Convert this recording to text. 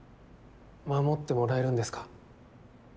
守ってもらえるんですか。